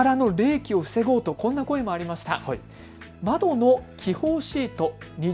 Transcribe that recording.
窓からの冷気を防ごうとこんな声もありました。